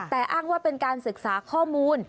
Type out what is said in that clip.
แต่อ้างว่าเป็นการศึกษาข้อมูล